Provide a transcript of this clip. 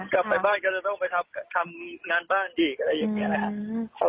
กลับไปบ้านก็จะต้องไปทำงานบ้านอีกอะไรอย่างนี้นะครับ